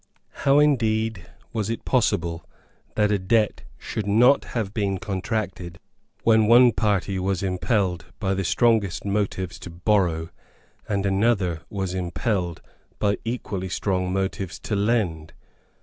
How indeed was it possible that a debt should not have been contracted, when one party was impelled by the strongest motives to borrow, and another was impelled by equally strong motives to lend?